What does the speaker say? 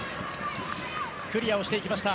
クリアをしていきました。